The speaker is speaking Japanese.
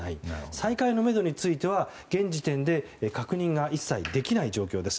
再開のめどについては現時点で確認が一切できない状況です。